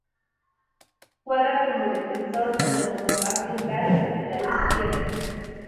Juega como defensor, tanto como back central o lateral izquierdo.